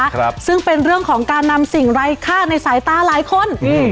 ครับซึ่งเป็นเรื่องของการนำสิ่งไร้ค่าในสายตาหลายคนอืม